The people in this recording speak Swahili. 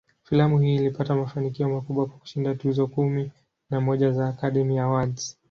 Filamu hii ilipata mafanikio makubwa, kwa kushinda tuzo kumi na moja za "Academy Awards".